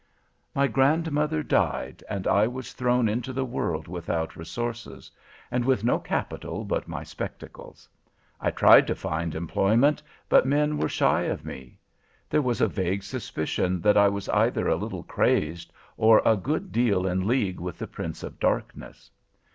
"My grandmother died, and I was thrown into the world without resources, and with no capital but my spectacles. I tried to find employment, but men were shy of me. There was a vague suspicion that I was either a little crazed, or a good deal in league with the Prince of Darkness.